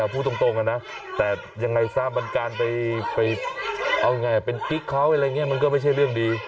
พูดตรงนะแต่อย่างไรซ้ำการไปคลิกเขาอะไรมันก็ไม่ใช่เรื่องดี